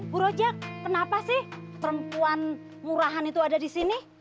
bu roja kenapa sih perempuan murahan itu ada di sini